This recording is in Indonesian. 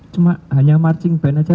cuma hanya marching band aja